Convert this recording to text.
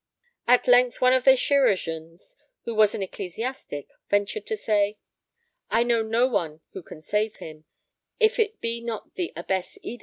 At length one of the chirurgeons, who was an ecclesiastic, ventured to say, 'I know no one who can save him, if it be not the Abbess Eda.'